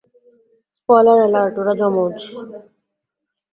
Spoiler alert, ওরা জমজ।